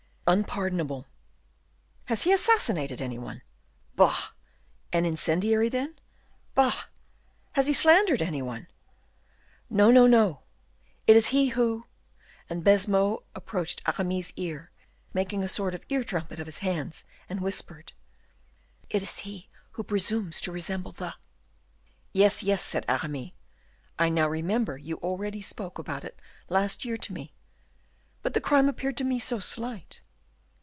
"Unpardonable." "Has he assassinated any one?" "Bah!" "An incendiary, then?" "Bah!" "Has he slandered any one?" "No, no! It is he who " and Baisemeaux approached Aramis's ear, making a sort of ear trumpet of his hands, and whispered: "It is he who presumes to resemble the " "Yes, yes," said Aramis; "I now remember you already spoke about it last year to me; but the crime appeared to me so slight."